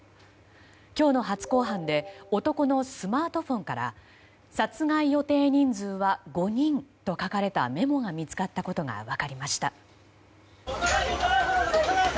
今日の初公判で男のスマートフォンから殺害予定人数は５人と書かれたメモが見つかったことが分かりました。